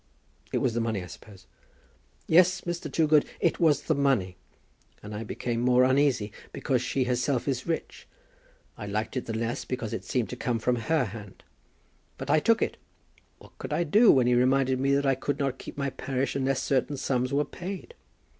"It was the money, I suppose?" "Yes, Mr. Toogood; it was the money. And I became the more uneasy, because she herself is rich. I liked it the less because it seemed to come from her hand. But I took it. What could I do when he reminded me that I could not keep my parish unless certain sums were paid?